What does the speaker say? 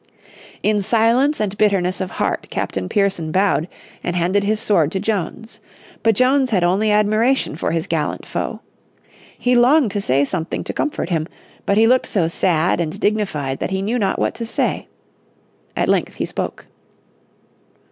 In silence and bitterness of heart Captain Pearson bowed and handed his sword to Jones. But Jones had only admiration for his gallant foe. He longed to say something to comfort him, but he looked so sad and dignified that he knew not what to say. At length he spoke.